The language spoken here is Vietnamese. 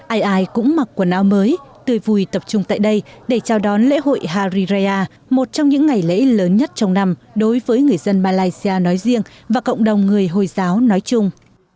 ai ai cũng mặc quần áo mới tươi vùi tập trung tại đây để chào đón lễ hội hari raya một trong những ngày lễ lớn nhất trong năm đối với người dân malaysia nói riêng và cộng đồng người hồi giáo nói chung